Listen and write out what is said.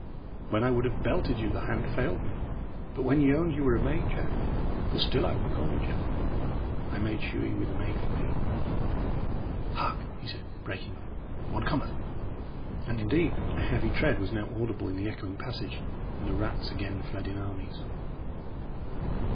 When I would have belted you, the hand failed me. But when ye owned ye were a maid, Jack for still I will call you Jack I made sure ye were the maid for me. Hark!" he said, breaking off "one cometh." And indeed a heavy tread was now audible in the echoing passage, and the rats again fled in armies.